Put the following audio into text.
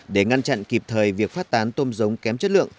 để ngăn chặn kịp thời việc phát tán tôm giống kém chất lượng